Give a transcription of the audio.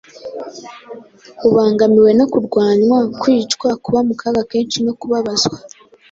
ubangamiwe no kurwanywa, kwicwa, kuba mu kaga kenshi no kubabazwa.